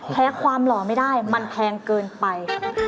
ความหล่อไม่ได้มันแพงเกินไป